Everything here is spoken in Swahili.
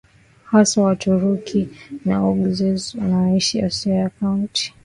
Haswa Waturuki na Oguzes wanaoishi Asia ya Kati